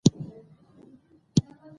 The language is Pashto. د خلکو سترګې مه سوځوئ.